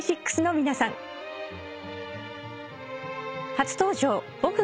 初登場。